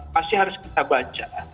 pasti harus kita baca